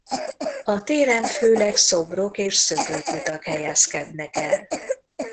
A téren főleg szobrok és szökőkutak helyezkednek el.